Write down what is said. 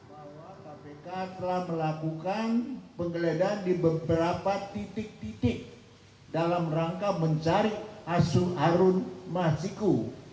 bahwa kpk telah melakukan penggeledahan di beberapa titik titik dalam rangka mencari asuh harun masiku